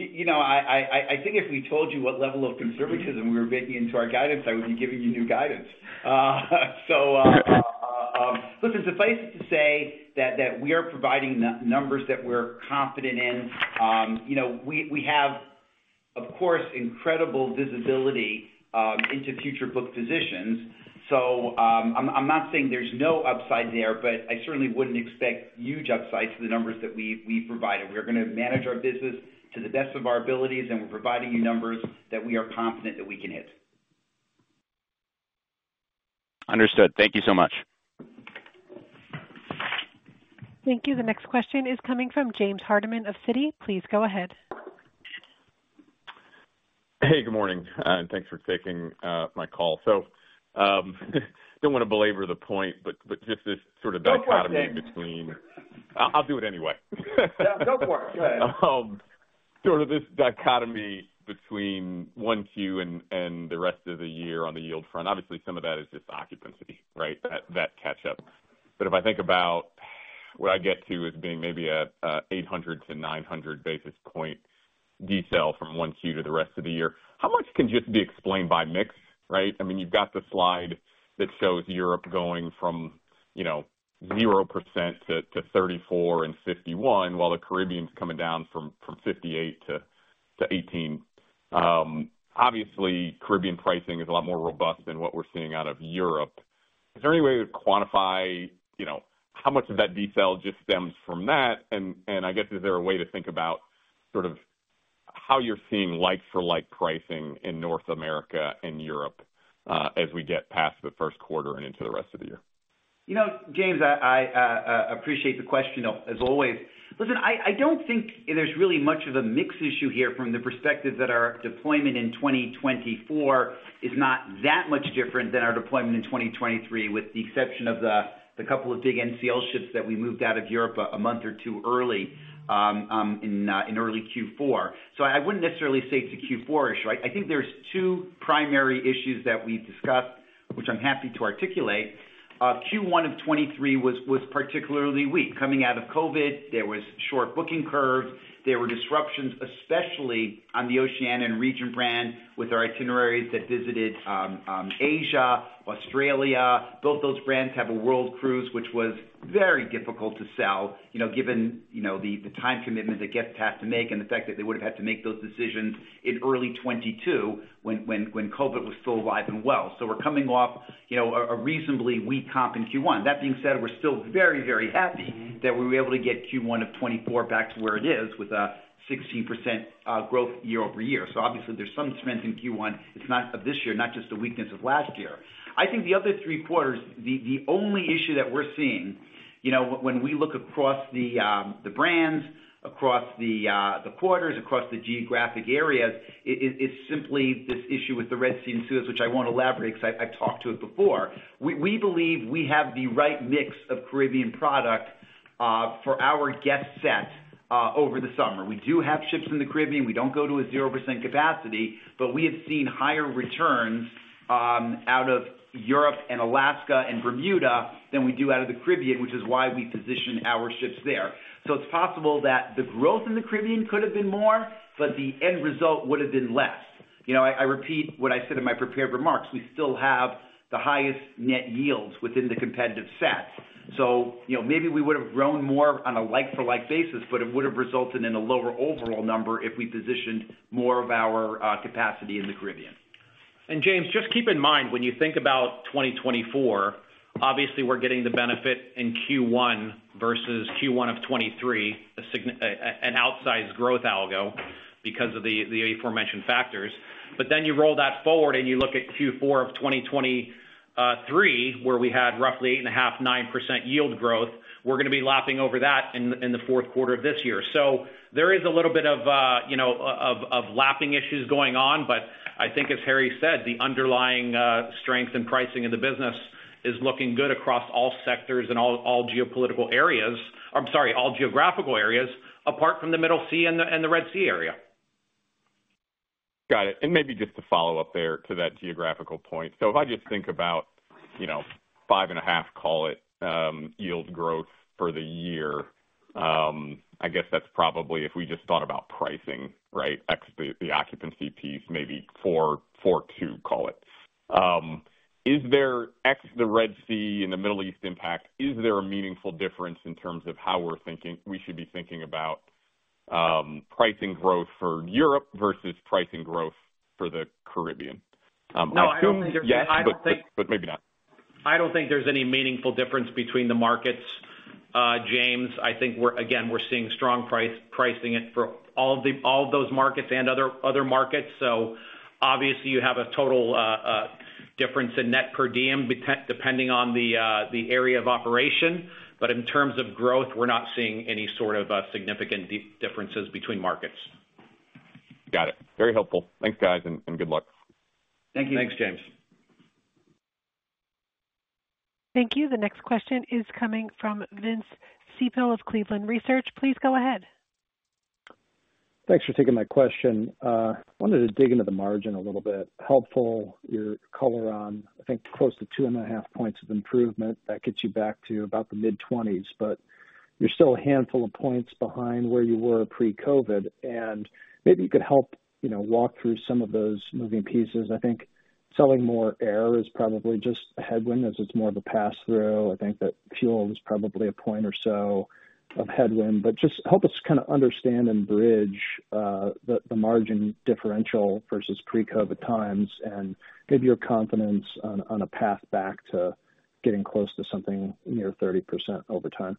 S4: I think if we told you what level of conservatism we were baking into our guidance, I would be giving you new guidance. So listen, suffice it to say that we are providing numbers that we're confident in. We have, of course, incredible visibility into future booked positions. So I'm not saying there's no upside there. But I certainly wouldn't expect huge upside to the numbers that we provided. We're going to manage our business to the best of our abilities. We're providing you numbers that we are confident that we can hit.
S8: Understood. Thank you so much.
S1: Thank you. The next question is coming from James Hardiman of Citi. Please go ahead.
S9: Hey. Good morning. Thanks for taking my call. I don't want to belabor the point, but just this sort of dichotomy between I'll do it anyway.
S4: Yeah. Go for it. Go ahead.
S9: Sort of this dichotomy between 1Q and the rest of the year on the yield front, obviously, some of that is just occupancy, right, that catch-up. But if I think about what I get to as being maybe a 800-900 basis point desale from 1Q to the rest of the year, how much can just be explained by mix, right? I mean, you've got the slide that shows Europe going from 0% to 34% and 51%, while the Caribbean's coming down from 58% to 18%. Obviously, Caribbean pricing is a lot more robust than what we're seeing out of Europe. Is there any way to quantify how much of that desale just stems from that? I guess, is there a way to think about sort of how you're seeing like-for-like pricing in North America and Europe as we get past the first quarter and into the rest of the year?
S4: James, I appreciate the question, as always. Listen, I don't think there's really much of a mix issue here from the perspective that our deployment in 2024 is not that much different than our deployment in 2023, with the exception of the couple of big NCL ships that we moved out of Europe a month or two early in early Q4. So I wouldn't necessarily say it's a Q4 issue, right? I think there's two primary issues that we've discussed, which I'm happy to articulate. Q1 of 2023 was particularly weak. Coming out of COVID, there was short booking curves. There were disruptions, especially on the Oceania and Regent brand with our itineraries that visited Asia, Australia. Both those brands have a world cruise, which was very difficult to sell, given the time commitment that guests have to make and the fact that they would have had to make those decisions in early 2022 when COVID was still alive and well. So we're coming off a reasonably weak comp in Q1. That being said, we're still very, very happy that we were able to get Q1 of 2024 back to where it is with a 16% growth year-over-year. So obviously, there's some strength in Q1. It's not of this year, not just a weakness of last year. I think the other three quarters, the only issue that we're seeing when we look across the brands, across the quarters, across the geographic areas, is simply this issue with the Red Sea and Suez, which I won't elaborate because I've talked to it before. We believe we have the right mix of Caribbean product for our guest set over the summer. We do have ships in the Caribbean. We don't go to a 0% capacity. But we have seen higher returns out of Europe and Alaska and Bermuda than we do out of the Caribbean, which is why we position our ships there. So it's possible that the growth in the Caribbean could have been more, but the end result would have been less. I repeat what I said in my prepared remarks. We still have the highest net yields within the competitive sets. So maybe we would have grown more on a like-for-like basis. But it would have resulted in a lower overall number if we positioned more of our capacity in the Caribbean.
S9: And James, just keep in mind, when you think about 2024, obviously, we're getting the benefit in Q1 versus Q1 of 2023, an outsized growth albeit because of the aforementioned factors. But then you roll that forward, and you look at Q4 of 2023, where we had roughly 8.5%-9% yield growth. We're going to be lapping over that in the fourth quarter of this year. So there is a little bit of lapping issues going on. But I think, as Harry said, the underlying strength and pricing in the business is looking good across all sectors and all geopolitical areas. I'm sorry, all geographical areas, apart from the Med and the Red Sea area. Got it. And maybe just to follow up there to that geographical point, so if I just think about 5.5, call it, yield growth for the year, I guess that's probably if we just thought about pricing, right, ex the occupancy piece, maybe 4.2, call it. Is there ex the Red Sea and the Middle East impact, is there a meaningful difference in terms of how we're thinking we should be thinking about pricing growth for Europe versus pricing growth for the Caribbean? I assume yes, but maybe not.
S4: I don't think there's any meaningful difference between the markets, James. I think, again, we're seeing strong pricing for all of those markets and other markets. So obviously, you have a total difference in Net Per Diem depending on the area of operation. But in terms of growth, we're not seeing any sort of significant differences between markets.
S9: Got it. Very helpful. Thanks, guys, and good luck.
S4: Thank you.
S3: Thanks, James.
S1: Thank you. The next question is coming from Vince Ciepiel of Cleveland Research. Please go ahead.
S10: Thanks for taking my question. I wanted to dig into the margin a little bit. Helpful, your color on, I think, close to 2.5 points of improvement. That gets you back to about the mid-20s. But you're still a handful of points behind where you were pre-COVID. And maybe you could help walk through some of those moving pieces. I think selling more air is probably just a headwind as it's more of a pass-through. I think that fuel is probably a point or so of headwind. But just help us kind of understand and bridge the margin differential versus pre-COVID times and give your confidence on a path back to getting close to something near 30% over time.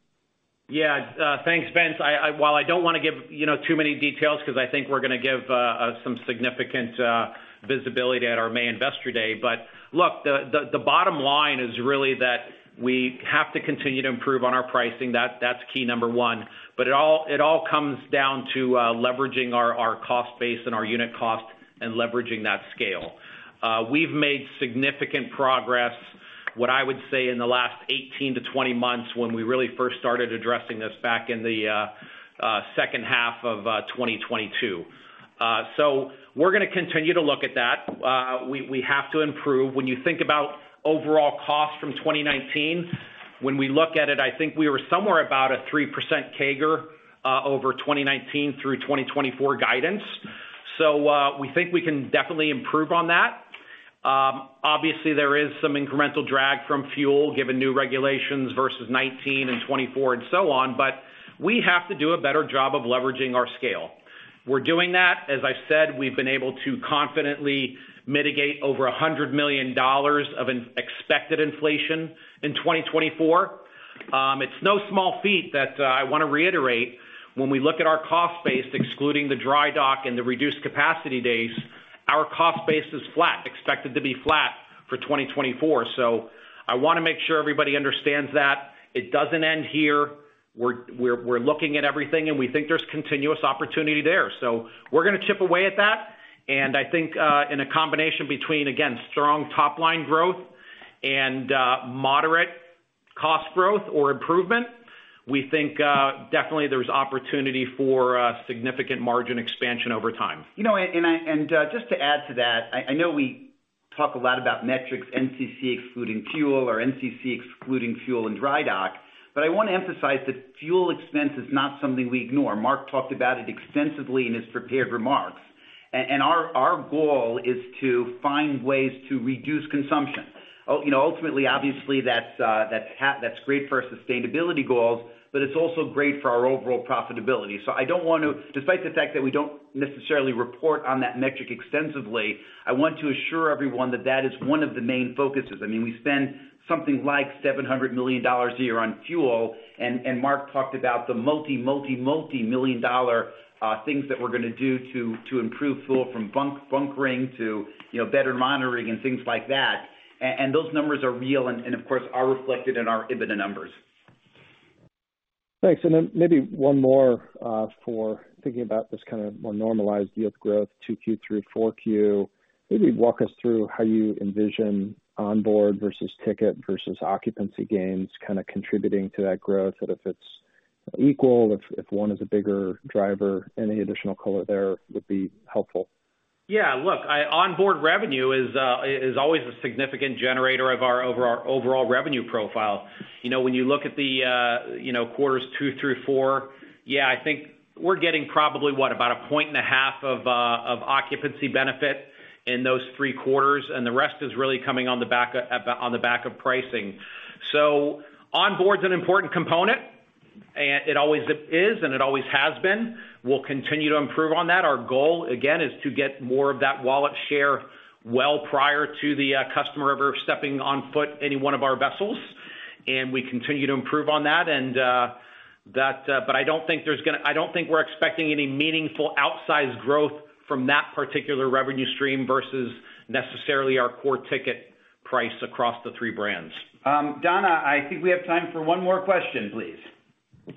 S4: Yeah. Thanks, Vince. While I don't want to give too many details because I think we're going to give some significant visibility at our May Investor Day. But look, the bottom line is really that we have to continue to improve on our pricing. That's key number one. But it all comes down to leveraging our cost base and our unit cost and leveraging that scale. We've made significant progress, what I would say, in the last 18-20 months when we really first started addressing this back in the second half of 2022. So we're going to continue to look at that. We have to improve. When you think about overall cost from 2019, when we look at it, I think we were somewhere about a 3% CAGR over 2019 through 2024 guidance. So we think we can definitely improve on that. Obviously, there is some incremental drag from fuel, given new regulations versus 2019 and 2024 and so on. But we have to do a better job of leveraging our scale. We're doing that. As I said, we've been able to confidently mitigate over $100 million of expected inflation in 2024. It's no small feat that I want to reiterate, when we look at our cost base, excluding the dry dock and the reduced capacity days, our cost base is flat, expected to be flat for 2024. So I want to make sure everybody understands that. It doesn't end here. We're looking at everything. And we think there's continuous opportunity there. So we're going to chip away at that. And I think in a combination between, again, strong top-line growth and moderate cost growth or improvement, we think definitely there's opportunity for significant margin expansion over time. And just to add to that, I know we talk a lot about metrics, NCC excluding fuel or NCC excluding fuel and Dry Dock. But I want to emphasize that fuel expense is not something we ignore. Mark talked about it extensively in his prepared remarks. And our goal is to find ways to reduce consumption. Ultimately, obviously, that's great for our sustainability goals. But it's also great for our overall profitability. So I don't want to, despite the fact that we don't necessarily report on that metric extensively, I want to assure everyone that that is one of the main focuses. I mean, we spend something like $700 million a year on fuel. And Mark talked about the multi-million-dollar things that we're going to do to improve fuel, from bunkering to better monitoring and things like that. Those numbers are real and, of course, are reflected in our EBITDA numbers.
S10: Thanks. And then maybe one more for thinking about this kind of more normalized yield growth, 2Q through 4Q, maybe walk us through how you envision onboard versus ticket versus occupancy gains kind of contributing to that growth. And if it's equal, if one is a bigger driver, any additional color there would be helpful.
S1: Yeah. Look, onboard revenue is always a significant generator of our overall revenue profile. When you look at quarters 2 through 4, yeah, I think we're getting probably what, about a 1.5-point occupancy benefit in those three quarters. And the rest is really coming on the back of pricing. So onboard's an important component. And it always is. And it always has been. We'll continue to improve on that. Our goal, again, is to get more of that wallet share well prior to the customer ever stepping foot on any one of our vessels. And we continue to improve on that. But I don't think we're expecting any meaningful outsized growth from that particular revenue stream versus necessarily our core ticket price across the three brands. Donna, I think we have time for one more question, please.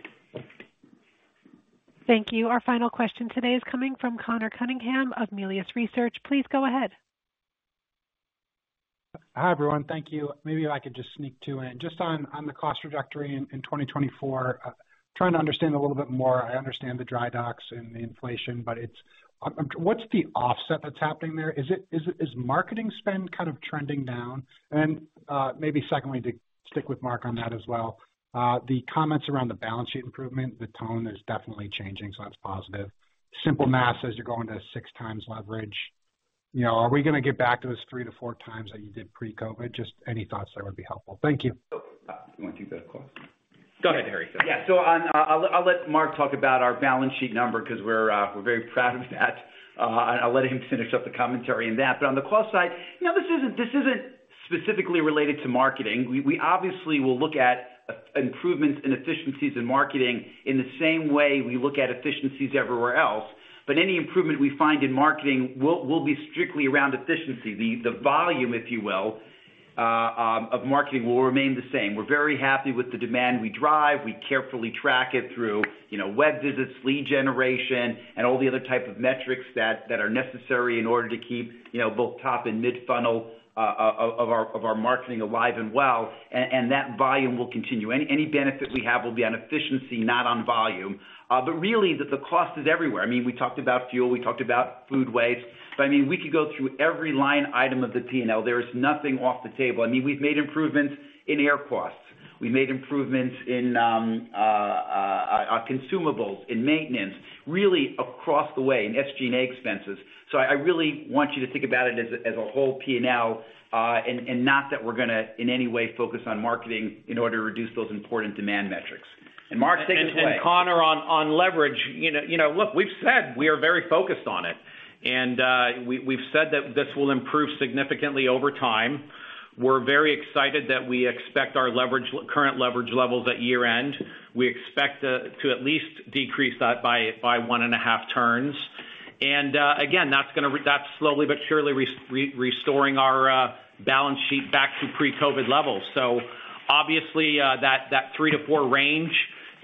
S1: Thank you. Our final question today is coming from Connor Cunningham of Melius Research. Please go ahead.
S11: Hi, everyone. Thank you. Maybe if I could just sneak two in. Just on the cost trajectory in 2024, trying to understand a little bit more. I understand the dry docks and the inflation. But what's the offset that's happening there? Is marketing spend kind of trending down? And then maybe secondly, to stick with Mark on that as well, the comments around the balance sheet improvement, the tone is definitely changing. So that's positive. Simply, as you're going to six times leverage. Are we going to get back to those three-to-four times that you did pre-COVID? Just any thoughts there would be helpful. Thank you.
S3: Okay. I want you to go to the call.
S4: Go ahead, Harry Sommer. Yeah. So I'll let Mark talk about our balance sheet number because we're very proud of that. And I'll let him finish up the commentary on that. But on the cost side, now, this isn't specifically related to marketing. We obviously will look at improvements and efficiencies in marketing in the same way we look at efficiencies everywhere else. But any improvement we find in marketing will be strictly around efficiency. The volume, if you will, of marketing will remain the same. We're very happy with the demand we drive. We carefully track it through web visits, lead generation, and all the other type of metrics that are necessary in order to keep both top and mid-funnel of our marketing alive and well. And that volume will continue. Any benefit we have will be on efficiency, not on volume. But really, the cost is everywhere. I mean, we talked about fuel. We talked about food waste. But I mean, we could go through every line item of the P&L. There is nothing off the table. I mean, we've made improvements in air costs. We've made improvements in consumables, in maintenance, really across the way in SG&A expenses. So I really want you to think about it as a whole P&L and not that we're going to in any way focus on marketing in order to reduce those important demand metrics. And Mark, take it away. And Connor, on leverage, look, we've said we are very focused on it. And we've said that this will improve significantly over time. We're very excited that we expect our current leverage levels at year-end. We expect to at least decrease that by 1.5 turns. And again, that's slowly but surely restoring our balance sheet back to pre-COVID levels. So obviously, that 3-4 range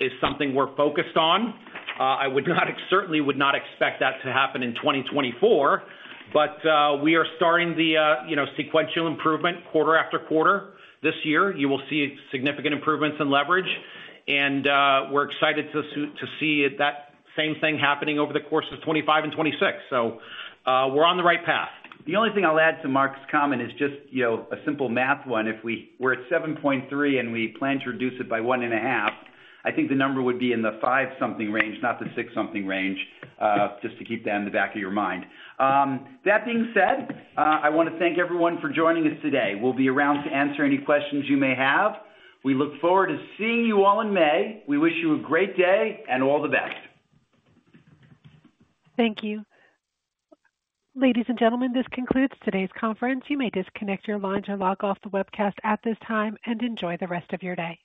S4: is something we're focused on. I certainly would not expect that to happen in 2024. But we are starting the sequential improvement quarter after quarter this year. You will see significant improvements in leverage. And we're excited to see that same thing happening over the course of 2025 and 2026. So we're on the right path. The only thing I'll add to Mark's comment is just a simple math one. If we're at 7.3 and we plan to reduce it by 1.5, I think the number would be in the 5-something range, not the 6-something range, just to keep that in the back of your mind. That being said, I want to thank everyone for joining us today. We'll be around to answer any questions you may have. We look forward to seeing you all in May. We wish you a great day and all the best.
S1: Thank you. Ladies and gentlemen, this concludes today's conference. You may disconnect your lines or log off the webcast at this time and enjoy the rest of your day.